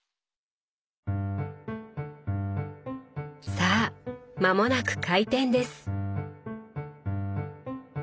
さあ間もなく開店です！